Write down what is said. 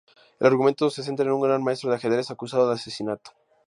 El argumento se centra en un Gran Maestro de ajedrez acusado de asesinato.